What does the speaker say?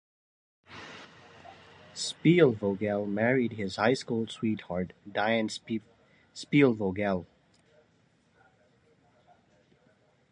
Spielvogel married his high-school sweetheart, Diane Spielvogel.